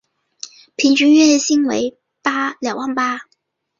平均月薪为两万八